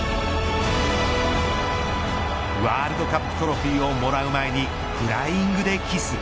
ワールドカップトロフィーをもらう前にフライングでキス。